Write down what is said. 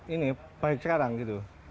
ini baik sekarang gitu